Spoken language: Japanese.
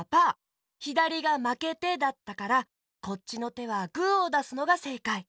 ひだりが「まけて」だったからこっちのてはグーをだすのがせいかい！